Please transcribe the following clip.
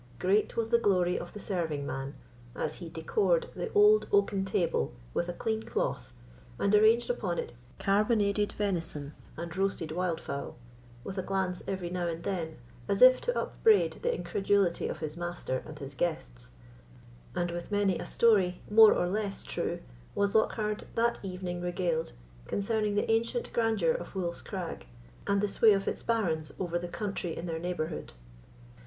Great was the glory of the serving man, as he decored the old oaken table with a clean cloth, and arranged upon it carbonaded venison and roasted wild fowl, with a glance, every now and then, as if to upbraid the incredulity of his master and his guests; and with many a story, more or less true, was Lockhard that evening regaled concerning the ancient grandeur of Wolf's Crag, and the sway of its barons over the country in their neighbourhood.